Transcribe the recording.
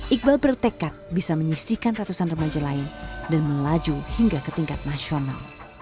iqbal bertekad bisa menyisikan ratusan remaja lain dan melaju hingga ke tingkat nasional